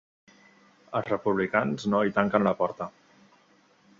Els republicans no hi tanquen la porta.